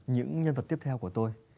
những nhân vật tiếp theo của tôi